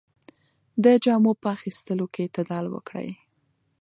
د جامو په اخیستلو کې اعتدال وکړئ.